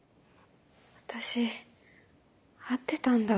私会ってたんだ。